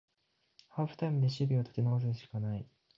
ハーフタイムで守備を立て直すしかない